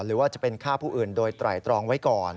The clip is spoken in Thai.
หรือว่าจะเป็นฆ่าผู้อื่นโดยไตรตรองไว้ก่อน